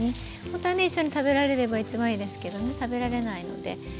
ほんとはね一緒に食べられれば一番いいですけどね食べられないので。